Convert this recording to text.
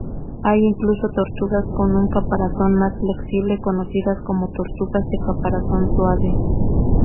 Hay incluso tortugas con un caparazón más flexible conocidas como tortugas de caparazón suave.